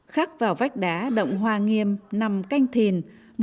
khắc vào vách đá động hoa nghiêm nằm canh thìn một nghìn sáu trăm bốn mươi